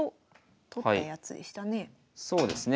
そうですね。